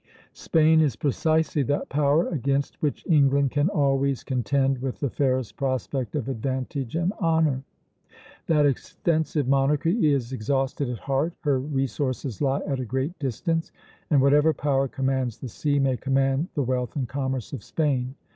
"Spain is precisely that power against which England can always contend with the fairest prospect of advantage and honor. That extensive monarchy is exhausted at heart, her resources lie at a great distance, and whatever power commands the sea, may command the wealth and commerce of Spain.